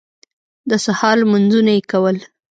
د سهار لمونځونه یې کول.